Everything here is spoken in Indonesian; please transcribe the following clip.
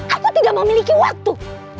aku tidak memiliki waktu